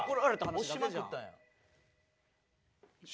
押しまくったんや。